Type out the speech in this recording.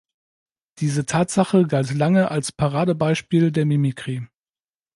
Diese Tatsache galt lange als Paradebeispiel der Mimikry.